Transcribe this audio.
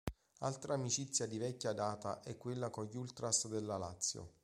Altra amicizia di vecchia data è quella con gli ultras della Lazio.